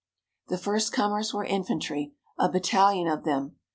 The first comers were infantry, a battalion of them.